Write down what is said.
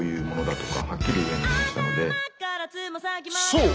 そう！